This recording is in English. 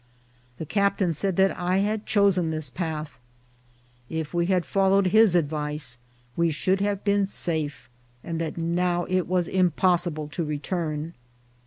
The captain said that I had chosen this path ; if we had followed his advice, we should have been safe, and that now it was impossible to return.